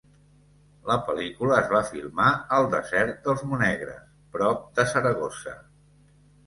La pel·lícula es va filmar al desert dels Monegres, prop de Saragossa.